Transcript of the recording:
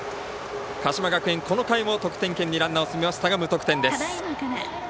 鹿島学園、この回も得点圏にランナーを進めましたが無得点です。